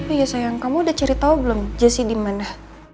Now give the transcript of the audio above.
iya sayang kamu udah cari tahu belum jessi di mana